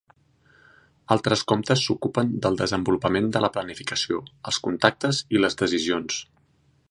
Altres comptes s'ocupen del desenvolupament de la planificació, els contactes i les decisions.